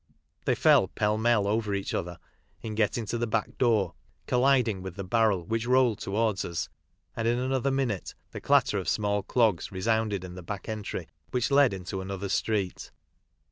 They fell pell mell over each other in getting to the back door, collid ing with the barrel, which rolled towards us, and in another minute the clatter of small clogs resounded in the back entry, which led into another street.